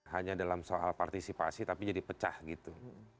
hanya dalam soal partisipasi tapi jadi pecah gitu